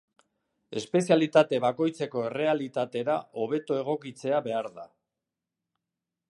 Espezialitate bakoitzeko errealitatera hobeto egokitzea behar da.